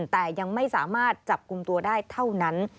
แต่ยังไม่สามารถจับกลุ่มตัวได้เท่านั้น